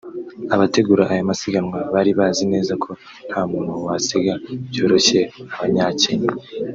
Abategura aya masiganwa bari bazi neza ko nta muntu wasiga byoroshye abanyakenya